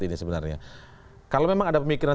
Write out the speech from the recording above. ini sebenarnya kalau memang ada pemikiran